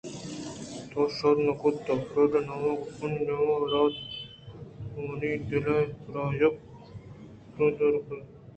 تو شر نہ کُت کہ فریڈا ءِ نام اے گپانی نیام ءَ آورت اَنت ءُمنی دل ءَ را چہ آئی دور کنگ ءِ جہد کُت بلئے من ایمیلیا ءِ اے سکیں ساعت ءَہروڑ ا آئی ءِ ہمراہداری ءَکناں